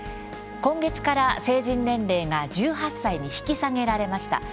今月から成人年齢が１８歳に引き下げられました。